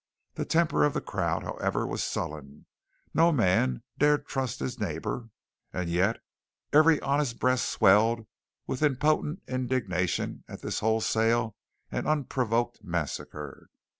The temper of the crowd, however, was sullen. No man dared trust his neighbour, and yet every honest breast swelled with impotent indignation at this wholesale and unprovoked massacre.